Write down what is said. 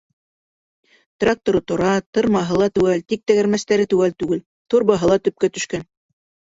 Тракторы тора, тырмаһы ла теүәл, тик тәгәрмәстәре теүәл түгел, торбаһы ла төпкә төшкән.